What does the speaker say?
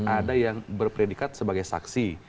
ada yang berpredikat sebagai saksi